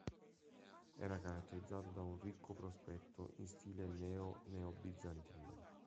Era caratterizzato da un ricco prospetto in stile neo-neobizantino.